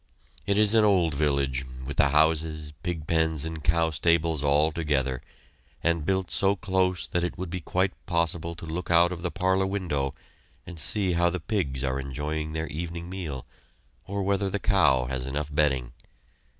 It is an old village, with the houses, pig pens, and cow stables all together, and built so close that it would be quite possible to look out of the parlor window and see how the pigs are enjoying their evening meal or whether the cow has enough bedding.